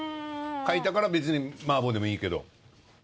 書いたから別に麻婆でもいいけど。